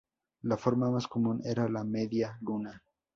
La forma más común era la media luna.